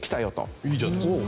いいじゃないですか。